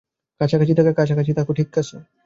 কাছাকাছি থাকো কাছাকাছি থাকো ঠিক আছে?